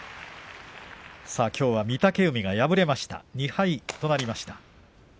きょうは御嶽海が敗れ２敗となりました。